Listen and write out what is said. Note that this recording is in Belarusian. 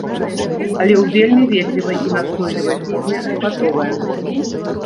Але ў вельмі ветлівай і настойлівай форме гатовая.